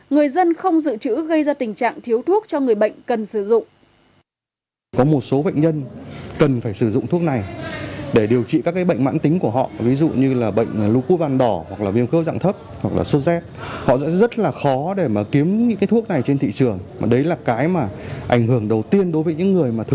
người dân không dự trữ gây ra tình trạng thiếu thuốc cho người bệnh cần sử dụng